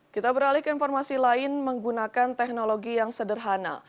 kita beralih ke informasi lain menggunakan teknologi yang sederhana